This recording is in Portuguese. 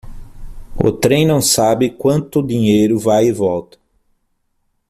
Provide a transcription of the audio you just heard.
O trem não sabe quanto dinheiro vai e volta.